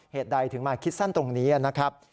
เหตุใดถึงมาคิดสั้นตรงนี้นะครับ